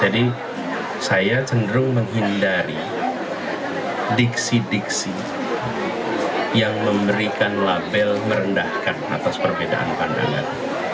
jadi saya cenderung menghindari diksi diksi yang memberikan label meredahkan atas perbedaan pandangan